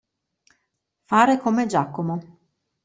Fare come Giacomo.